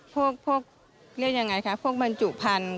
พวกเรียกยังไงคะพวกบรรจุพันธุ